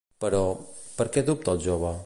Però, per què dubta el jove?